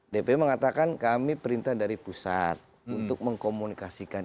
dpw mengatakan kami perintah dari pusat untuk mengkomunikasikan